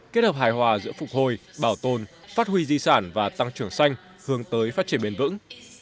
kết hợp hài hòa giữa phục hồi bảo tồn phát huy di sản và tăng trưởng xanh hướng tới phát triển bền vững